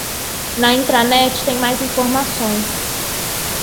Na intranet tem mais informações